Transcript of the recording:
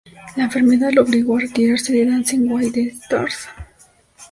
La enfermedad la obligó a retirarse de "Dancing with the Stars".